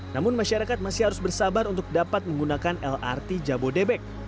namun masyarakat masih harus bersabar untuk dapat menggunakan lrt jabodebek